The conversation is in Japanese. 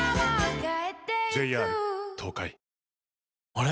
あれ？